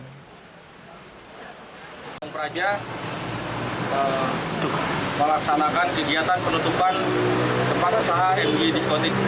pembuatan peraja melaksanakan kegiatan penutupan tempat usaha mg diskotik